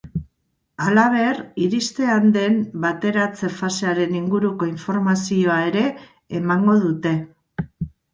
Halaber, iristear den bateratze fasearen inguruko informazioa ere emango dute.